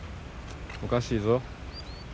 おかしいぞ。